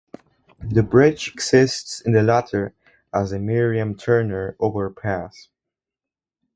The bridge exists in the latter as the Miriam Turner Overpass.